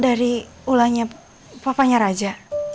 dari ulangnya papanya raja